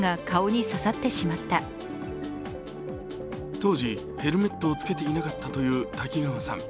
当時ヘルメットをつけていなかったという滝川さん。